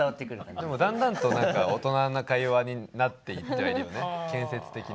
でもだんだんと大人な会話になっていってはいるよね建設的な。